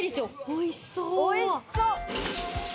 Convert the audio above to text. おいしそう。